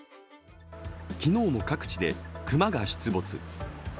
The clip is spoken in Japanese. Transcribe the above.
昨日も各地で熊が出没。